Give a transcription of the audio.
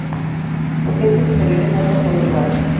Los dientes inferiores no se han conservado.